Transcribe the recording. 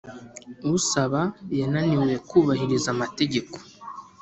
Usaba yananiwe kubahiriza amategeko